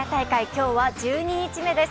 今日は１２日目です。